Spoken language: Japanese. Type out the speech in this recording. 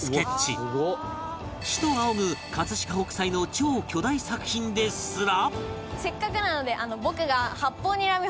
師と仰ぐ飾北斎の超巨大作品ですら